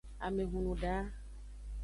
Ame hunno da.